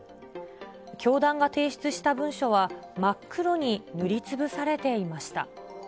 教団が提出した文書は、真っ黒に塗りつぶされていました。